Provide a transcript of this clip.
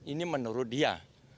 ini menurut dia